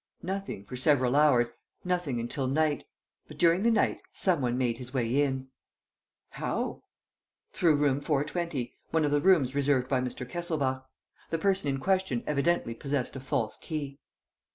"Nothing, for several hours, nothing until night. But, during the night, some one made his way in." "How?" "Through room 420, one of the rooms reserved by Mr. Kesselbach. The person in question evidently possessed a false key."